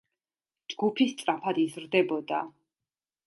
ჯგუფი სწრაფად იზრდებოდა.